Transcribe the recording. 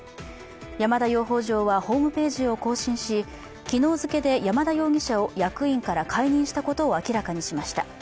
山田養蜂場はホームページを更新し昨日付で山田容疑者を役員から解任したことを明らかにしました。